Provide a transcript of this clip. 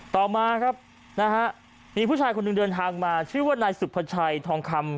ต่อมาครับนะฮะมีผู้ชายคนหนึ่งเดินทางมาชื่อว่านายสุภาชัยทองคำ